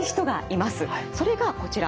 それがこちら。